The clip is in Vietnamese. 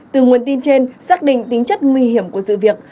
từ nguồn tin trên xác định tính chất nguy hiểm của sự việc